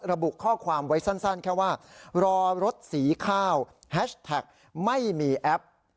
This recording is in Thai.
ระบุข้อความไว้สั้นแค่ว่ารอรถสีข้าวแฮชแท็กไม่มีแอป